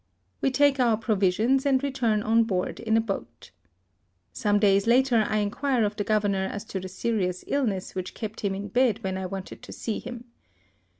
We take our provisions, and return on board in a boat. Some days later I inquire of the governor as to the serious illness which kept him in bed when I wanted to see him.